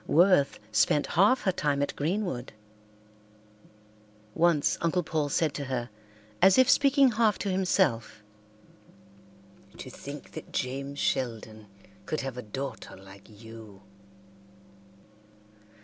Worth spent half her time at Greenwood. Once Uncle Paul said to her, as if speaking half to himself, "To think that James Sheldon could have a daughter like you!"